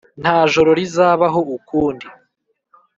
Nta joro rizabaho ukundi